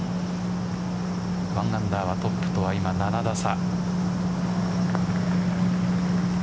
１アンダーはトップとは今、７打差。